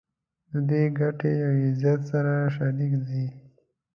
د دوی ګټې او عزت سره شریک دي.